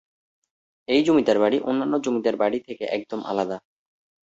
এই জমিদার বাড়ি অন্যান্য জমিদার বাড়ি থেকে একদম আলাদা।